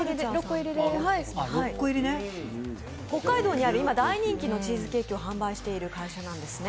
北海道にある、今大人気のチーズケーキを販売してる会社なんですね。